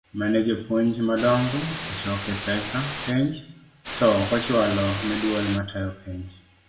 mane jopuonj madongo ochoke pesa penj to okochualo ne duol matayo penj.